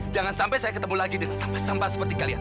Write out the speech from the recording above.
jangan sampai saya ketemu lagi dengan sampah sampah seperti kalian